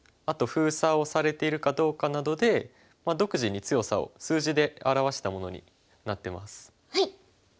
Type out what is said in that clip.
あと封鎖をされているかどうかなどで独自に強さを数字で表したものになってます。